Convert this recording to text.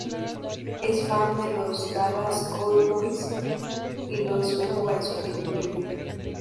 Es fan de los Dallas Cowboys y los ve jugar en su tiempo libre.